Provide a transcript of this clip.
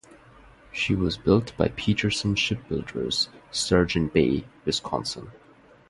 She was built by Peterson Shipbuilders, Sturgeon Bay, Wisconsin.